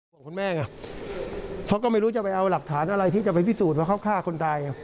บอกคุณแม่ไงเพราะก็ไม่รู้จะไปเอาหลักฐานอะไรที่จะไปพิสูจน์ว่าเขาฆ่าคนตาย